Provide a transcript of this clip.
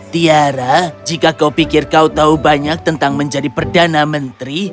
tiara jika kau pikir kau tahu banyak tentang menjadi perdana menteri